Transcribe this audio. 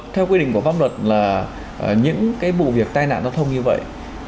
theo quy định của pháp luật là những cái vụ việc tai nạn giao thông như vậy